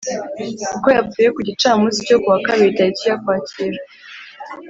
Kuko yapfuye ku gicamunsi cyo kuwa kabiri tariki ya ukwakira